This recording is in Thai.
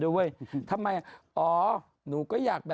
ฟื้นจีบเข้างัย